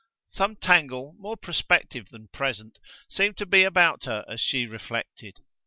Some tangle, more prospective than present, seemed to be about her as she reflected.